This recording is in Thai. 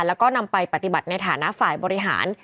แล้วก็นำไปปฏิบัติในฐานะฝ่ายบริหาร